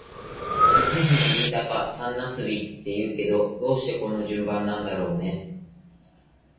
一富士、二鷹、三茄子って言うけど、どうしてこの順番なんだろうね。